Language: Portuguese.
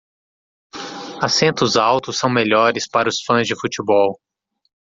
Assentos altos são melhores para os fãs de futebol.